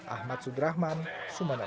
ahmad sudrahman sumeneb